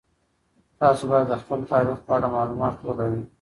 تاسو باید د خپل تاریخ په اړه مالومات ولرئ.